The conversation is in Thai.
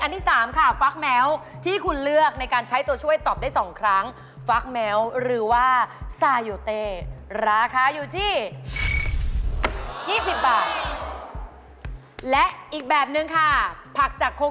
แต่งกว่าญี่ปุ่นและ